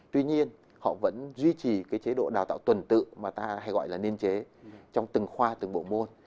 tuy nhiên họ vẫn duy trì cái chế độ đào tạo tuần tự mà ta hay gọi là niên chế trong từng khoa từng bộ môn